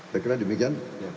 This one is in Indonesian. saya kira demikian